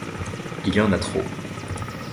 Il y en a trop.